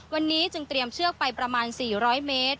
วันนี้จึงเตรียมเชือกไปประมาณ๔๐๐เมตร